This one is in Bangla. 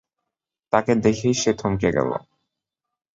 তাঁকে দেখেই সে থমকে গেল।